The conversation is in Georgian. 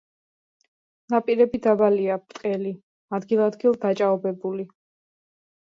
ნაპირები დაბალია, ბრტყელი, ადგილ-ადგილ დაჭაობებული.